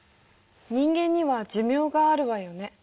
人間には寿命があるわよね。